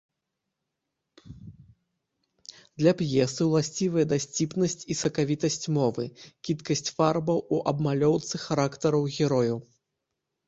Для п'есы ўласцівыя дасціпнасць і сакавітасць мовы, кідкасць фарбаў у абмалёўцы характараў герояў.